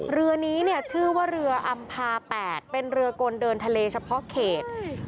เรือนี้เนี่ยชื่อว่าเรืออำภา๘เป็นเรือกลเดินทะเลเฉพาะเขต